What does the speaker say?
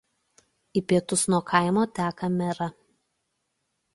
Į pietus nuo kaimo teka Mera.